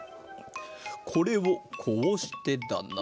これをこうしてだな。